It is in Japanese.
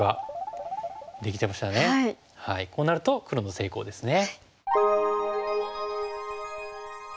こうなると黒の成功ですね。